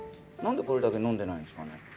何でこれだけ飲んでないんですかね？